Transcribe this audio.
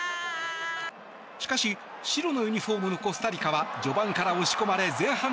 しかし、白のユニホームのコスタリカは序盤から押し込まれ前半１１分。